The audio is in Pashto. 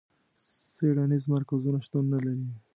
څېړنیز مرکزونه شتون نه لري.